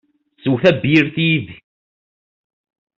Sew tabyirt yid-i!